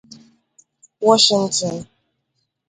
Wọshintin